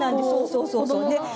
そうそうそう。